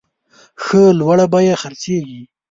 ښه لوړه بیه خرڅیږي.